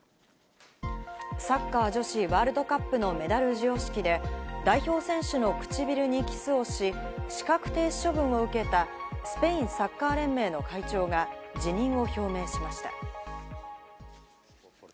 サッカー女子ワールドカップのメダル授与式で、代表選手の唇にキスをし、資格停止処分を受けた、スペインサッカー連盟の会長が辞任を表明しました。